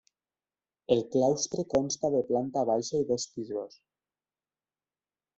El claustre consta de planta baixa i dos pisos.